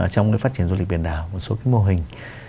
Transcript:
trong cái phát triển du lịch biển đảo một số cái mô hình